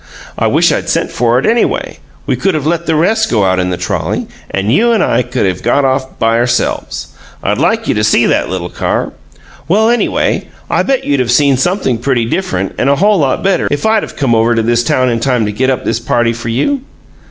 I wish I'd of sent for it, anyway. We could of let the rest go out in the trolley, and you and I could of got off by ourselves: I'd like you to see that little car. Well, anyway, I bet you'd of seen something pretty different and a whole lot better if I'd of come over to this town in time to get up this party for you!"